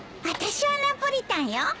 私はナポリタンよ。